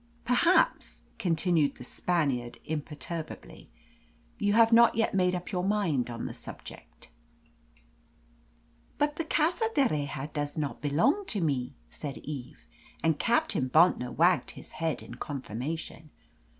"Perhaps," continued the Spaniard imperturbably, "you have not yet made up your mind on the subject." "But the Casa d'Erraha does not belong to me," said Eve, and Captain Bontnor wagged his head in confirmation.